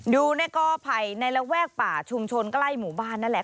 ดูก็ภัยในระแวกป่าชุมชนใกล้หมู่บ้านนั่นแหละ